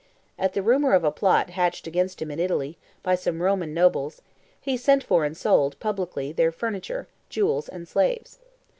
At the rumor of a plot hatched against him in Italy, by some Roman nobles, he sent for and sold, publicly, their furniture, jewels, and slaves.